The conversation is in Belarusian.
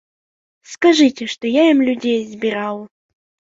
Скажыце, што я ім людзей збіраў.